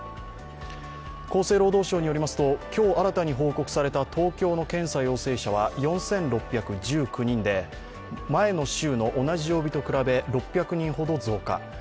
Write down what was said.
厚生労働省によりますと今日新たに報告された東京の検査陽性者は４６１９人で前の週の同じ曜日と比べ６００人ほど増加。